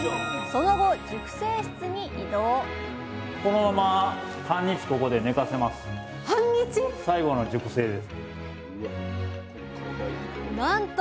その後熟成室に移動なんと！